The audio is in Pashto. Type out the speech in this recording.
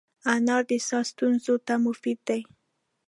انار د ساه ستونزو ته مفید دی.